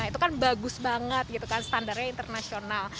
itu kan bagus banget gitu kan standarnya internasional